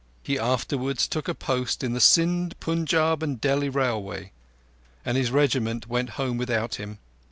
He afterwards took a post on the Sind, Punjab, and Delhi Railway, and his Regiment went home without him.